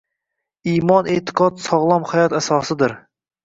Iymon e'tiqod-sog'lom hayot asosidir.